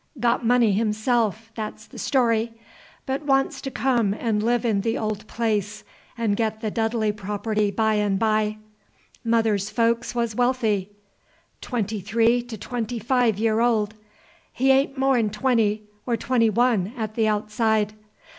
Got money himself, that 's the story, but wants to come and live in the old place, and get the Dudley property by and by." "Mother's folks was wealthy." "Twenty three to twenty five year old." "He a'n't more 'n twenty, or twenty one at the outside."